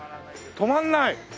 止まらない！？